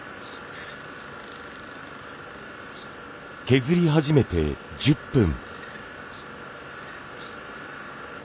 削り始めて１０分。